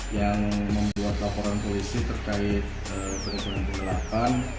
yang membuat laporan polisi terkait penyelamatan penggelapan